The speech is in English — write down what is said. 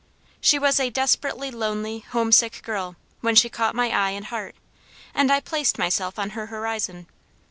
She was a desperately lonely, homesick girl, when she caught my eye and heart; and I placed myself on her horizon.